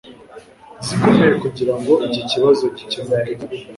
zikomeye kugirango iki kibazo gikemuke